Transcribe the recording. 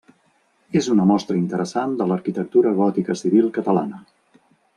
És una mostra interessant de l'arquitectura gòtica civil catalana.